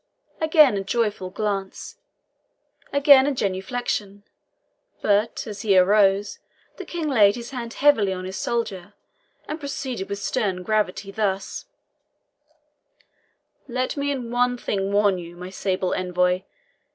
Again a joyful glance again a genuflection but, as he arose, the King laid his hand heavily on his shoulder, and proceeded with stern gravity thus: "Let me in one thing warn you, my sable envoy.